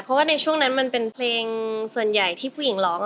เพราะว่าในช่วงนั้นมันเป็นเพลงส่วนใหญ่ที่ผู้หญิงร้อง